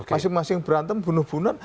masing masing berantem bunuh bunan